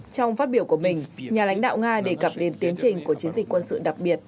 trong phát biểu của mình nhà lãnh đạo nga đề cập đến tiến trình của chiến dịch quân sự đặc biệt